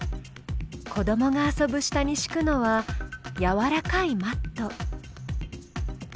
子どもが遊ぶ下にしくのはやわらかいマット。